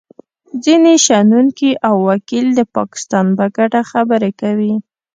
ځینې شنونکي او وکیل د پاکستان په ګټه خبرې کوي